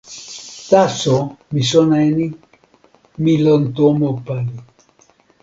taso mi sona e ni: mi lon tomo pali.